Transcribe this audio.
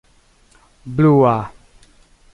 blua